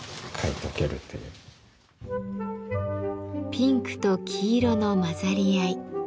ピンクと黄色の混ざり合い。